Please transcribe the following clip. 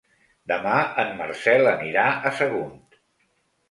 Demà en Marcel anirà a Sagunt.